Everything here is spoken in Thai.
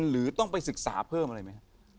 หรือต้องไปศึกษาเพิ่มอะไรไหมครับ